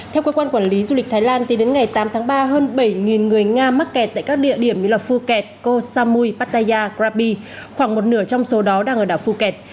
theo quyên quan quản lý du lịch thái lan tới đến ngày tám tháng ba hơn bảy người nga mắc kẹt tại các địa điểm như phuket koh samui pattaya krabi khoảng một nửa trong số đó đang ở đảo phuket